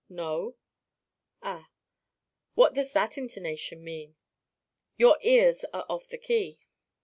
"No." "Ah? What does that intonation mean?" "Your ears are off the key."